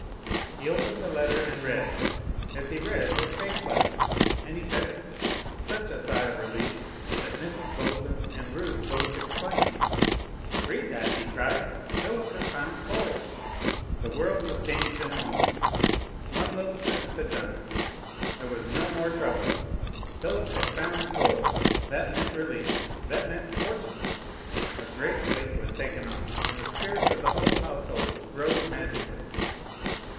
He opened the letter and read. As he read his face lightened, and he fetched such a sigh of relief, that Mrs. Bolton and Ruth both exclaimed. "Read that," he cried, "Philip has found coal!" The world was changed in a moment. One little sentence had done it. There was no more trouble. Philip had found coal. That meant relief. That meant fortune. A great weight was taken off, and the spirits of the whole household rose magically.